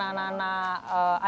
tidak ada yang bisa diperlukan